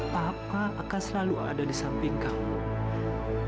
tahapan akan selalu ada di samping kamu